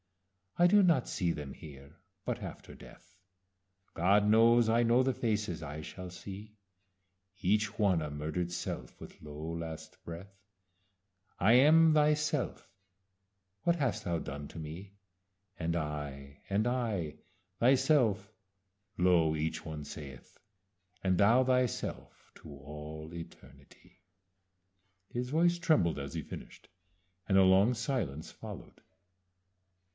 I do not see them here; but after death God knows I know the faces I shall see Each one a murder'd self, with low last breath; 'I am thyself what hast thou done to me?' 'And I and I thyself' (lo! each one saith) 'And thou thyself to all eternity.'" His voice trembled as he finished, and a long silence followed.